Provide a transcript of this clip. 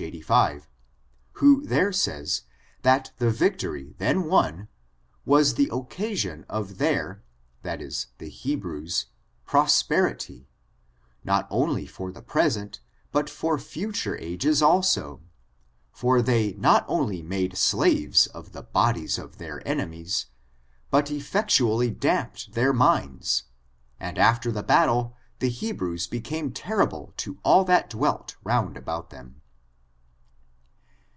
85, who there says, that the vic tory then won, " was the occasion of their (the He brews) prosperity, not only for the present, but for future ages also ; for they not only made slaves of the bodies of their enemies, but effectually damped their minds, and after the battle, the Hebrews be came terrible to all that dwelt round about them."